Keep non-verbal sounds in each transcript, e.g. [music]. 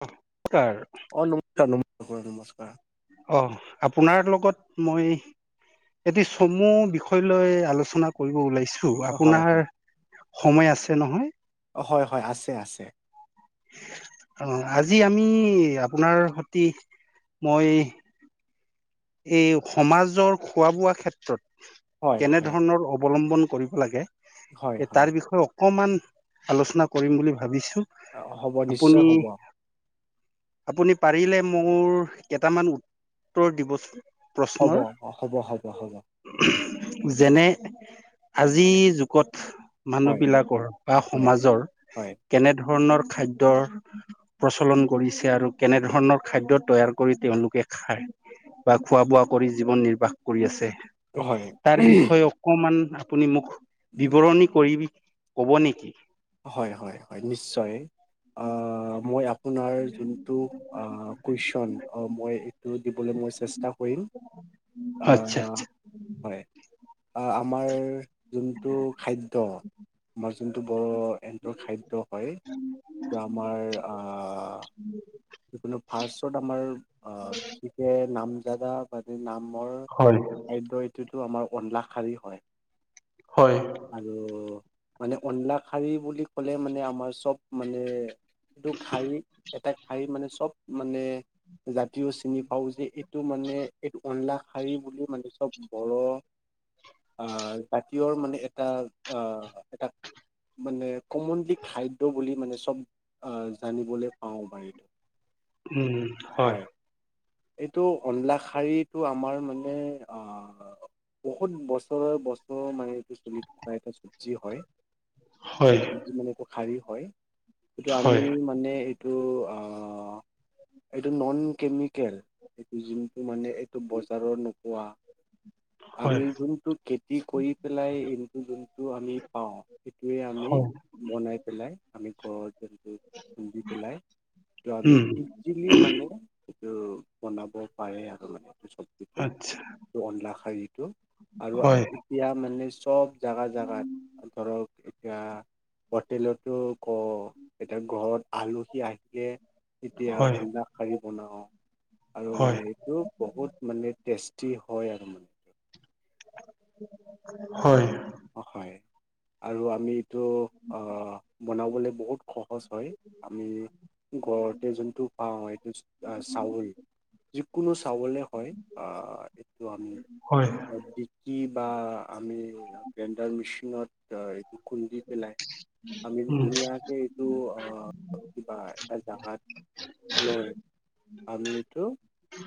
অ'। অ', নমস্কাৰ নমস্কাৰ নমস্কাৰ। অ', আপোনাৰ লগত মই এটি চমু বিষয় লৈ আলোচনা কৰিব ওলাইছো। হয় আপোনাৰ হয় সময় আছে নহয়। অ', হয় হয় আছে আছে। অ', আজি আমি আপোনাৰ সতি মই এই সমাজৰ খোৱা বোৱা ক্ষেত্ৰত হয় কেনে হয় ধৰণৰ অৱলম্বন কৰিব লাগে হয় এ হয় তাৰ বিষয়ে অকমান আলোচনা কৰিম বুলি ভাবিছো। হ'ব নিশ্চয় আপুনি হ'ব আপুনি পাৰিলে মোৰ কেইটামান উত্তৰ দিবচোন। হ'ব প্ৰশ্নৰ উম, হ'ব হ'ব হ'ব হয় যেনে আজি যুগত মানুহ বিলাকৰ বা হয় সমাজৰ হয় কেনে ধৰণৰ খাদ্যৰ প্ৰচলন কৰিছে আৰু কেনেধৰণৰ খাদ্য তৈয়াৰ কৰি তেওঁলোকে খায়। বা খোৱা বোৱা কৰি জীৱন নিৰ্বাহ কৰি আছে হয় তাৰ বিষয়ে অকমান আপুনি মোক বিৱৰণী কৰি ক'ব নেকি। হয় হয় হয় নিশ্চয় অ', মই আপ আপোনাৰ যোনটো আ, কুৱেশ্যন অ', মই এইটো দিবলৈ মই চেষ্টা কৰিম। আচ্ছা আহ আচ্ছা হয়। আহ, আমাৰ যোনটো খাদ্য আমাৰ যোনটো বৰ এনতৰ খাদ্য হয় আমাৰ আ যিকোনো ফাৰ্চত আমাৰ অ', গতিকে নাম জাদা মানে ন মোৰ হয় খাদ্যয় ইটোতো আমাৰ অনাশাৰী হয় হয় আৰু। মানে অনাশাৰী বুলি ক'লে মানে আমাৰ চব মানে টো শাৰী এটা শাৰী মানে চব মানে জাতিও চিনি পাওঁ যে এইটো মানে এটো অনাশাৰী বুলি মানে চব বৰ আহ জাতীয়ৰ মানে এটা আহ এটা মানে কমনলি খাদ্য বুলি মানে চব আহ জানিবলৈ পাওঁ বাৰে। উম হয়। এইটো অনাশাৰীটো আমাৰ মানে আহ বহুত বছৰৰ বছৰৰ [unintelligible] হয় হয় চব্জি মানে খাৰী হয়, কিটো হয় আমি মানে এইটো আহ [inaudible] এইটো নন কেমিকেল এইটো যোনটো মানে এইটো বজাৰৰ নোপোৱা [inaudible] আমি যোনটো খেতি কৰি পেলাই এইটো যোনটো আমি পাওঁ সেইটোৱে আমি হয় বনাই পেলাই আমি ঘ যুনটো খুন্দি পেলাই ত আমি উম ইজিলি মানে টো বনাব পাৰে আৰু মানে। চবজিটো আচ্ছা অনলা শাৰীটো আৰু হয় এতিয়া মানে চ চব জাগা জাগাত, ধৰক এতিয়া হোটেলতো ক এতিয়া ঘৰত আলহী আহি তিকে এতিয়া হয় অন্দা শাৰী বনাওঁ আৰু হয় মানে এইটো বহুত মানে টেষ্টি হয় আৰু মানে। হয়। অ', হয় আৰু আমি [inaudible] অ', বনাবলৈ বহুত সহজ হয়, আমি ঘৰতে যোনটো পাওঁ এইটো আ চাউল যিকোনো চাউলে হয় অ', এইটো আমি হয় বিকি বা আমি নতদা এইটো খুন্দি পেলাই আমি উম ধুনীয়াকে এইটো অ', কিবা এটা জাগাত নৈ আমি ইতো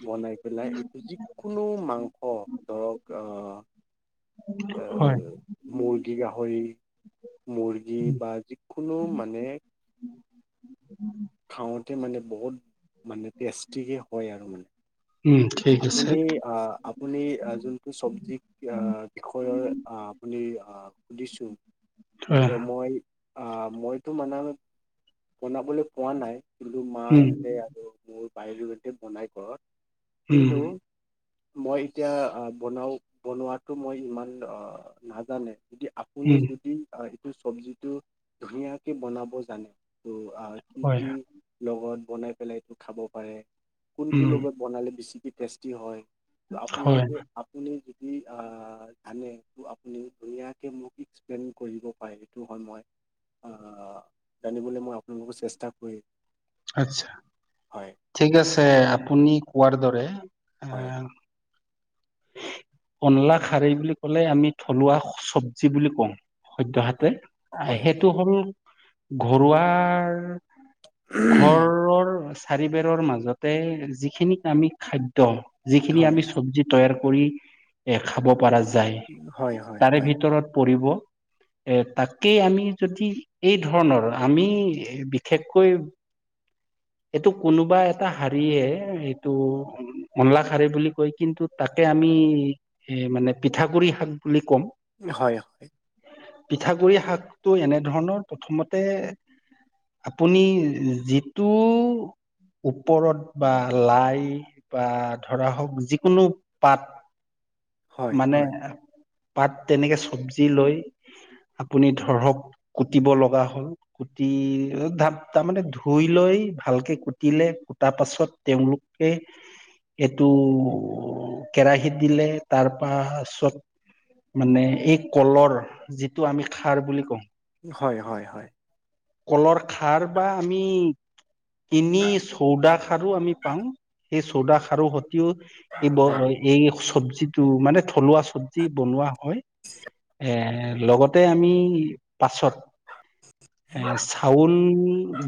বনাই পেলাই এইটো যিকোনো মাংস ধৰক অ' হয় এহ মুৰ্গী, গাহৰি মুৰ্গী বা যিকোনো মানে খাওঁতে মানে বহুত মানে টেষ্টিকে হয় আৰু মানে। উম ঠিক আছে আপুনি অ', আপুনি যোনটো চব্জিক বিষয়ৰ আপুনি অ', সুধিছো ত' মই আহ মইতো মানে বনাবলৈ কোৱা নাই কিন্তু মা উম এনেতে আৰু মোৰ বাইদউ এতে বনাই ঘৰত। উম কিন্তু মই এতিয়া বনাওঁ বনোৱাাতো মই ইমান অ', নাজানে। যদি আপুনি উম যদি এইটো চব্জিটো ধুনীয়াকে বনাব জানে ত' অ', কি হয় কি লগত বনাই পেলাই এইটো খাব পাৰে? কোনটো উম লগত বনালে বেছিকে টেষ্টি হয় হয় আপোনালোকে আপুনি অ', জানে তনি দুুনিয় কে মোক এক্সপ্লেইন কৰিব পাৰি সেইটো হয় মই জানিব মই অ' ৰু চেষ্টা কৰি আছা হয় ঠিক আছে আপুনি কোৱাৰ দৰে হয় অ'। কলা খাৰি বুলি কলে আমি থলুৱা চব্জি বুলি কওঁ। হয় সদ্যাহাতে হয় অ', হয় সেইটো হ'ল ঘৰুৱাৰ ঘৰৰ চাৰিবেৰৰ মাজতে যিখিনিক আমি খাদ্য যিখিনি হয় আমি চব্জিত তৈয়াৰ কৰি এ খাব পৰা যায় হয় হয় হয় তাৰে ভিতৰত পৰিব এ তাকেই আমি যদি এই ধৰণৰ আমি বিশেষকৈ এইটো কোনোবা এটা হাৰীয়ে এইটো মলা শাৰী বুলি কয় কিন্তু তাকে আমি এ মানে পিঠাগুৰি শাক বুলি ক'ম হয়, হয়। পিঠাগুৰি শাকটো এনেধৰণৰ প্ৰথমতে আপুনি যি টো ওপৰত বা লাই বা ধৰা হওঁক যিকোনো পাত হয় মানে হয় পাত তেনেকে চব্জি লৈ আপুনি ধৰক কুটিব লগা হ'ল কুটি তাৰমানে ধুই লৈ। ভালকে কুটিলে কুটাৰ পাছত তেওঁলোকে এইটো কেৰাহিত দিলে তাৰ পাছত মানে এই কলৰ যিটো আমি খাৰ বুলি কওঁ। হয়, হয়, হয়। কলৰ খাৰ বা আমি তিনি চৌদা খাৰু আমি পাওঁ সেই চৌদা খাৰু স তেওঁ এই ব এই চবজিটো মানে থলুৱা চব্জি বনোৱা হয়। এ লগতে আমি পাছত আহ চাউল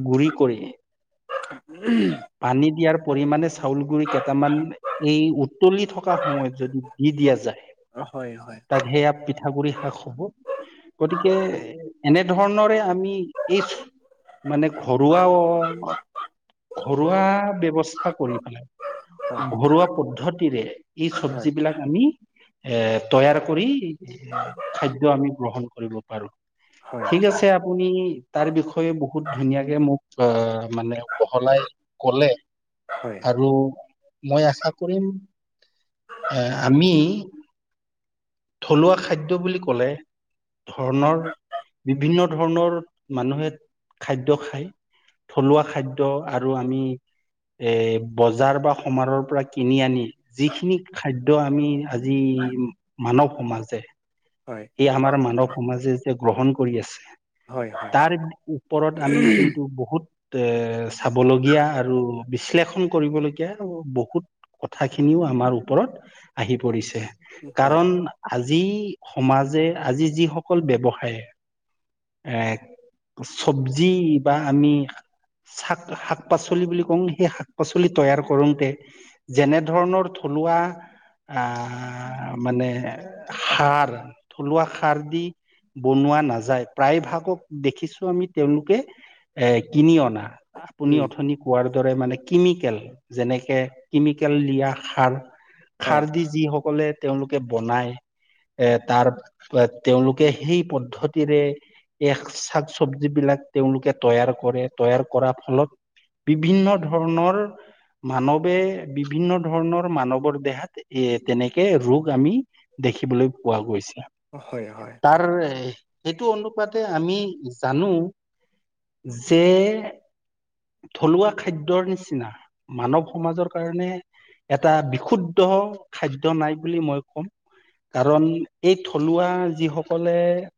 গুড়ি কৰি উম। পানী দিয়াৰ পৰিমাণে চাউল গুৰি কেইটামান এই উতলি থকা সময়ত যদি দি দিয়া যায় হয় হয় হয় হয় হয় তাক সেয়া পিঠাগুৰি শাক হব গতিকে এনেধৰণৰে আমি এই মানে ঘৰুৱা ঘৰুৱা ব্যৱস্থাৰ কৰি পেলাই ঘৰুৱা পদ্ধতিৰে এই চব্জ বিলাক আমি এ তৈয়াৰ কৰি এ খাদ্য আমি গ্ৰহণ কৰিব পাৰো ঠিক আছে আপুনি তাৰ বিষয়ে বহুত ধুনীয়াকে মোক আহ মানে বহলাই ক'লে হয় আৰু মই আশা কৰিম এ আমি থলুৱা খাদ্য বুলি কলে ধৰণৰ বিভিন্ন ধৰণৰ মানুহে খাদ্য খায় থলুৱা খাদ্য আৰু আমি এ বজাৰ বা সমাৰৰ পৰা কিনি আনি যিখিনি খাদ্য আমি আজি মানৱ সমাজে ই আমাৰ মানৱ সমাজে যে গ্ৰহণ কৰি আছে হয় হয় হয় তাৰ ওপৰত আমি কিন্তু বহুত এ চাবলগীয়া আৰু বিশ্লেষণ কৰিবলগীয়া বহুত কথাখিনিও আমাৰ ওপৰত আহি পৰিছে কাৰণ আজি সমাজে আজি যিসকল ব্যৱসায়ে এ চব্জি বা আমি শাক, শাক- পাচলি বুলি কওঁ সেই শাক- পাচলি তৈয়াৰ কৰোতে যেনেধৰণৰ থলোৱা মানে সাৰ থলুৱা খাৰ দি বনোৱা নাযায় প্ৰায় ভাগক দেখিছো আমি তেওঁলোকে এ কিনি অনা আপুনি অথনি কোৱাৰ দৰে মানে কেমিকেল যেনেকে কেমিকেল দিয়া সাৰ খাৰ দি যিসকলে তেওঁলোকে বনায় এ তাৰ তেওঁলোকে সেই পদ্ধতিৰে এই শাক চবজ বিলাক তেওঁলোকে তৈয়াৰ কৰে তৈয়াৰ কৰাৰ ফলত বিভিন্ন ধৰণৰ মানৱে বিভিন্ন ধৰণৰ মানৱৰ দেহাত এই তেনেকে ৰোগ আমি দেখিবলৈ পোৱা গৈছে হয়, হয়, তাৰ হয়। সেইটো অনুপাতে আমি জানো যে থলুৱা খাদ্যয়ৰ নিচিনা মানৱ সমাজৰ কাৰণে এটা বিশুদ্ধ খাদ্য নাই বুলি মই কম কাৰণ এই থলুৱা যি সকলে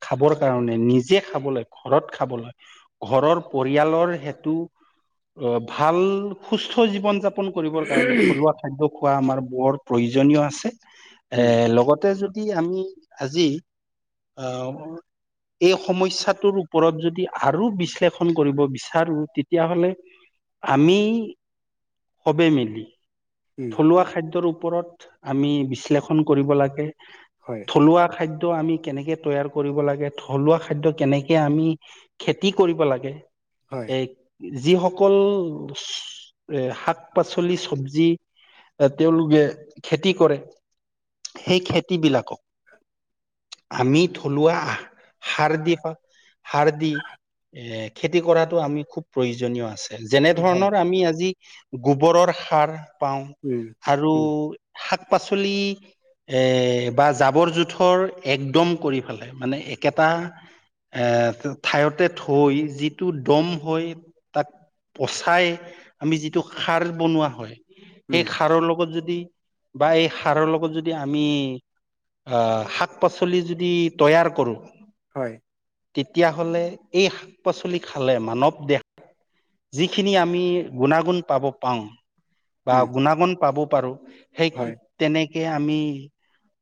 খাবৰ কাৰণে নিজে খাবলে ঘৰত খাব লাগে ঘৰৰ পৰিয়ালৰ হেতটো অ ভাল সুস্থ জীৱন যাপন কৰিবৰ কাৰণে থলুৱা খাদ্য খোৱা আমাৰ বৰ প্ৰয়োজনীয় আছে এ উম লগতে য আমি আজি অ এই সমস্যাটোৰ ওপৰত যদি আৰু বিশ্লেষণ কৰিব বিচাৰো তেতিয়াহলে আমি সবেই মিলি থলুৱা খাদ্যৰ ওপৰত আমি বিশ্লেষণ কৰিব লাগে। হয় হয় থলুৱা খাদ্য আমি কেনেকে তৈয়াৰ কৰিব লাগে। থলুৱা খাদ্য কেনেকে আমি খেতি কৰিব লাগে হয় এক যিসকল এ শাক-পাচলি চবজি এ তেওলোকে খেতি কৰে সেই খেতিবলাকক আমি থলুৱা সাৰ দি সাৰ দি এ খেতি কৰাতটো আমি খুব প্ৰয়োজনীয় আছে যেনে হয় উম উম হয় হয় হয় ধৰণৰ আমি আজি গোবৰৰ সাৰ পাও উম আৰু উম শাক পাচলি এ বা জাবৰ জোথৰ একদম কৰি ফেলাই মানে একেটা এ ঠাইতে থৈ যিটো দম হৈ। তাক পচাই আমি যিটো শাৰ বনোৱা হয় সেই উম শাৰৰ লগত যদি বা এই সাৰৰ লগত যদি আমি আহ শাক পাচলি যদি তৈয়াৰ কৰো। হয়। তেতিয়াহলে এই শাক পাচলি খালে মানৱ দেশ যিখিনি আমি গুণাগুণ পাব পাও বা উম গুণাগুণ পাব। পাৰো সেই হয় তেনেকে আমি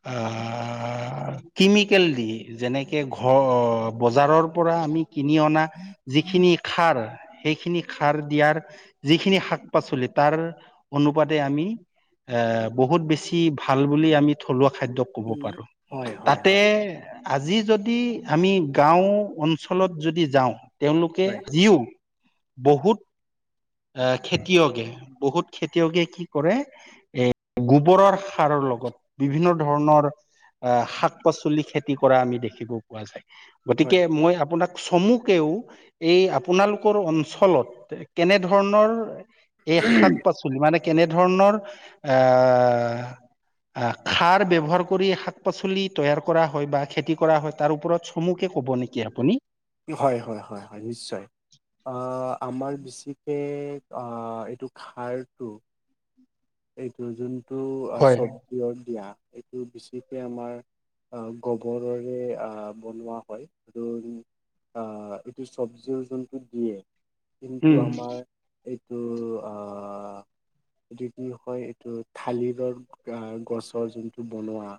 তেনেকে আমি আহ, কেমিকেল দি যেনেকে ঘৰ বজাৰৰ পৰা আমি কিনি অনা যিখিনি খাৰ সেইখিনি সাৰ দিয়াৰ যিখিনি শাক পাচলি তাৰ অনুপাতে আমি এ বহুত বেছি ভাল বুলি আমি থলুৱোৱা খাদ্যয় ক'ব উম পাৰো। হয় হয় তাতে হয় আজি যদি আমি গাও অঞ্চলত যদি যাও তেওলোকে হয় যিও বহুত এ খেতিয়কে বহুত খেতিয়কে কি কৰে এ গোবৰৰ সাৰ লগত বিভিন্ন ধৰণৰ আহ শাক পাচলি খেতি কৰা আমি দেখিব পোৱা যায়। গতিকে হয় মই আপোনাক চমুকেও এই আপোনালোক অঞ্চলত কেনে ধৰণৰ এই শাক পাচলি মানে কেনেধৰণৰ আহ আহ খাৰ ব্যৱহাৰ কৰি শাক পাচলি তৈয়াৰ কৰা হয় বা খেতি কৰা হয় তাৰ ওপৰত চমুকে ক'ব নেকি আপুনি? হয় - হয় - হয় - হয় নিশ্চয়। আহ আমাৰ বিশেছিকৈ আহ এইটো খাৰটো এইটো যোনটো হয় চব্জি দিয়া এইটো বেছিকে আমাৰ আহ গোবৰেৰে আহ বনোৱা হয় আৰু আহ এইটো চব্জি ওজনটো দিয়ে। কিন্তু উম আমাৰ এইটো আহ কি হয় এইটো থালিৰৰ গছৰ যোনটো বনোৱা।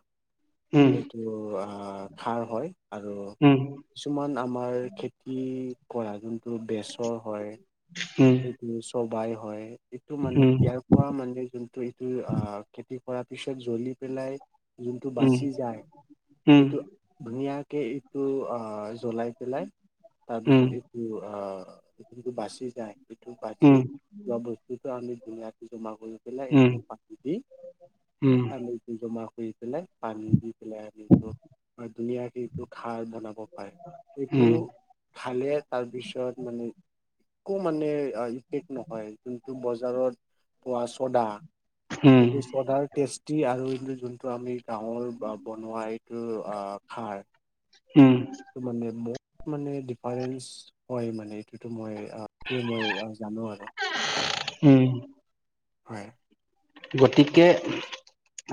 উম এইটো আহ খাৰ হয় আৰু উম কিছুমান আমাৰ খেতি কৰা যোনটো বচৰ হয়। এইটো চবাই হয় এইটো মানে উম ইয়াৰ পৰা মানে যোনটো এইটো আহ খেতি কৰ পিছত জ্বলি পেলাই যোনটো উম উম বাচি যায় উম এইটো ধুনীয়াকে এইটো আহ জ্বলাই পেলাই উম তাৰপিছত উম এইটো যিটো বাচি যায়। এইটো বাচি উম যোৱা বস্তুতো আমি ধুনীয়াকে জমা কৰি পেলাই এইটো প দি উম আটো জমা কৰি পেলাই পানী দি পেলাই আমি ধুনীয়াকে এইটো খাৰ বনাব পাৰে। এইটো উম ভালে তাৰপিছত মানে কম মানে ইফেক্ট নহয় যোনটো বজাৰত পোৱা চদা উম, কিন্তু চডাৰ টেষ্টি আৰু জ টো আমি গাৱৰ বনোৱা এইটো খাৰ উম, এইটো মানে বহুত মানে ডিফাৰেন্ঞ্চ হয় মানে এইটোতো মই, ইয়াতকৈ মই জানো আৰু- উম! হয়। গতিকে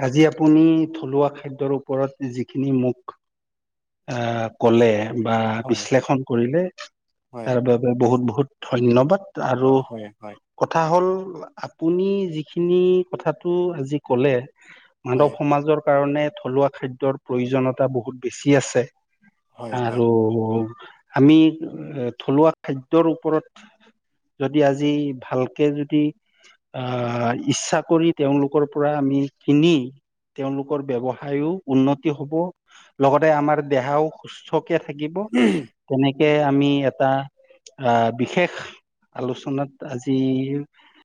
আজি আপুনি থলুৱা খাদ্যৰ ওপৰত যিখিনি মোক আ কলে বা হয় বিশ্লেষণ কৰিলে হয় তাৰ বাবে বহুত বহুত ধন্যবাদ। আৰু হয় হয় হয় কথা হ'ল আপুনি যিখিনি কথাাটো আজি কলে মানৱ হয় সমাজৰ কাৰণে থলুৱা খাদ্যৰ প্ৰয়োজনীয়তা বহুত বেছি আছে। হয় হয়। আৰু আমি এ থলুৱা খাদ্যৰ ওপৰত যদি আজি ভালকে যদি আহ ইচ্ছা, কৰি তেওঁলোকৰ পৰা আমি কিনি তেওঁলোকৰ ব্যৱসায়ো উন্নতি হব লগতে আমাৰ দেহাও সুস্থ থাকিব তেনেক তেনেখে আমি এটা আ বিশেষ আলোচনাত আজি